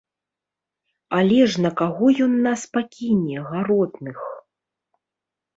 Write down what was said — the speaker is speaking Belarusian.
Але ж на каго ён нас пакіне, гаротных?